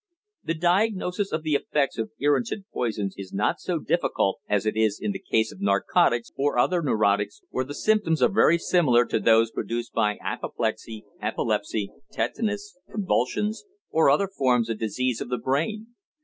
The diagnosis of the effects of irritant poisons is not so difficult as it is in the case of narcotics or other neurotics, where the symptoms are very similar to those produced by apoplexy, epilepsy, tetanus, convulsions, or other forms of disease of the brain.